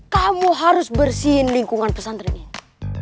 kamu harus bersihin lingkungan pesantren ini